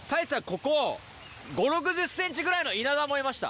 ここ５０６０センチぐらいのイナダもいました。